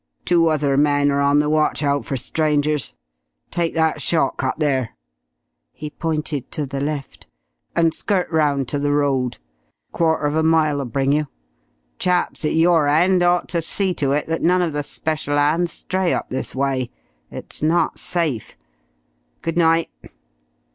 "Two other men are on the watch out for strangers. Take that short cut there" he pointed to the left "and skirt round to the road. Quarter of a mile'll bring you. Chaps at your end ought to see to it that none of the special hands stray up this way. It's not safe. Good night."